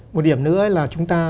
một điểm nữa là chúng ta